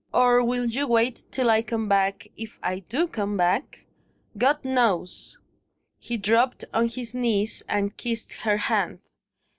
or will you wait till I come back, if I do come back? God knows!" He dropped on his knees, and kissed her hand.